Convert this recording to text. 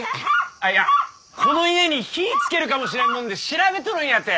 あっいやこの家に火ぃつけるかもしれんもんで調べとるんやて。